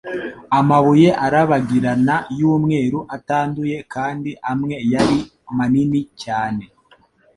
Amabuye arabagirana y'umweru utanduye kandi amwe yari manini cyane.